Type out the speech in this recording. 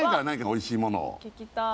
何かおいしいもの